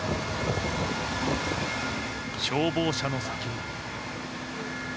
消防車の先に。